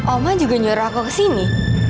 oma juga nyuruh aku kesini